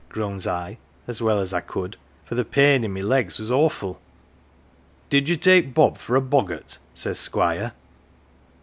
' groans I, as well as I could, for th' pain o' my legs was awful. "' Did you take Bob for a boggart ?' says Squire.